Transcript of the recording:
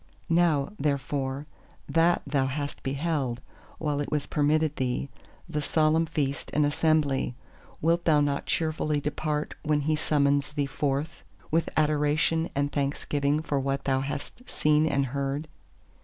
Now therefore that thou hast beheld, while it was permitted thee, the Solemn Feast and Assembly, wilt thou not cheerfully depart, when He summons thee forth, with adoration and thanksgiving for what thou hast seen and heard?